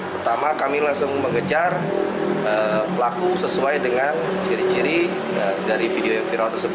pertama kami langsung mengejar pelaku sesuai dengan ciri ciri dari video yang viral tersebut